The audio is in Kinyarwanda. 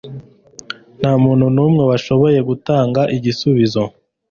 Nta muntu n'umwe washoboye gutanga igisubizo.